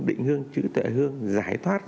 định hương trí tuệ hương giải thoát